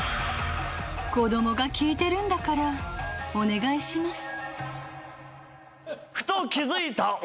こどもが聞いてるんだからお願いします